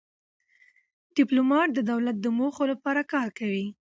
ډيپلومات د دولت د موخو لپاره کار کوي.